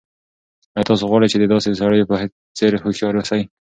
آیا تاسو غواړئ چې د داسې سړیو په څېر هوښیار اوسئ؟